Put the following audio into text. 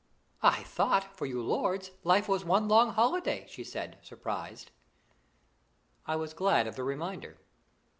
"I thought, for you lords, life was one long holiday," she said, surprised. I was glad of the reminder.